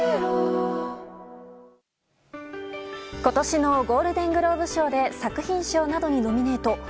今年のゴールデングローブ賞で作品賞などにノミネート。